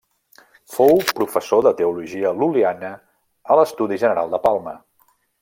Fou professor de teologia lul·liana a l'Estudi General de Palma.